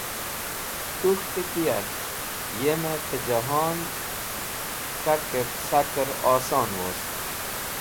Kuk̃htẽ ki yark yemẽ pẽjehon k̃hakẽb sakẽr oson wost.